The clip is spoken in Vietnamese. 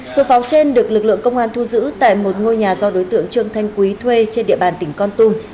số pháo trên được lực lượng công an thu giữ tại một ngôi nhà do đối tượng trương thanh quý thuê trên địa bàn tỉnh con tum